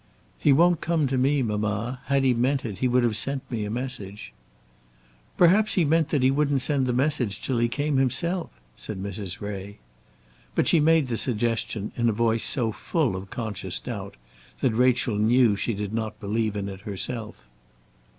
"He won't come to me, mamma. Had he meant it, he would have sent me a message." "Perhaps he meant that he wouldn't send the message till he came himself," said Mrs. Ray. But she made the suggestion in a voice so full of conscious doubt that Rachel knew that she did not believe in it herself.